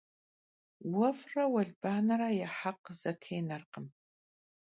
Vuef're vuelbanere ya hekh zetênerkhım.